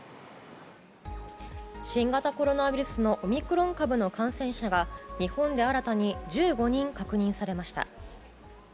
新型コロナウイルスのオミクロン株の感染者が日本で新たに１５人確認されました。